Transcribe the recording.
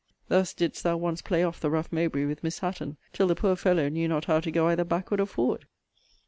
Thus didst thou once play off the rough Mowbray with Miss Hatton, till the poor fellow knew not how to go either backward or forward.